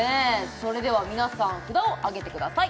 それでは皆さん札をあげてください